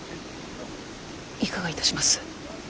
いかがいたします。